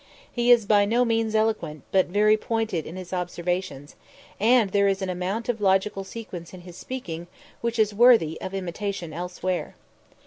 He is by no means eloquent, but very pointed in his observations, and there is an amount of logical sequence in his speaking which is worthy of imitation elsewhere.